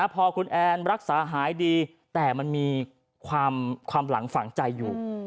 พอคุณแอนรักษาหายดีแต่มันมีความหลังฝังใจอยู่